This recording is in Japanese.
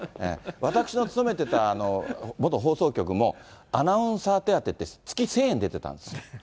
私の勤めてた元放送局も、アナウンサー手当って、月１０００円出てたんですよ。